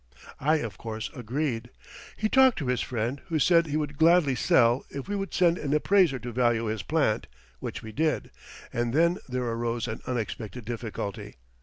I of course agreed. He talked to his friend, who said he would gladly sell if we would send an appraiser to value his plant, which we did, and then there arose an unexpected difficulty.